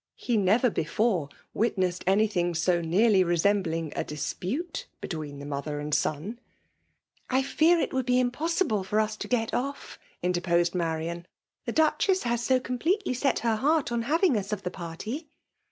fib neror before witnessed anything as nearly xesendbliag a dispute betwtai the mother and son, '^ I foar it would be impossible for us to get off," interposed Marian. *' The Duchess lias so completely set her heart on having us of the party."